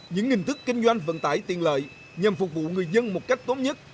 những hình thức kinh doanh vận tải tiện lợi nhằm phục vụ người dân một cách tốt nhất